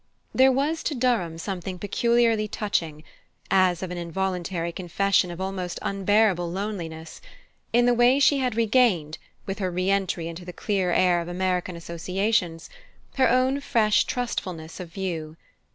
There was to Durham something peculiarly touching as of an involuntary confession of almost unbearable loneliness in the way she had regained, with her re entry into the clear air of American associations, her own fresh trustfulness of view.